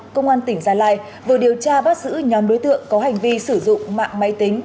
công an tỉnh gia lai vừa điều tra bắt giữ nhóm đối tượng có hành vi sử dụng mạng máy tính